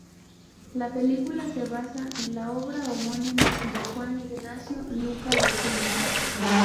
La película se basa en la obra homónima de Juan Ignacio Luca de Tena.